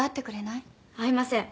会いません。